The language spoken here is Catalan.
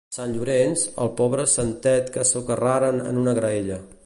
Sant Llorenç, el pobre santet que socarraren en una graella.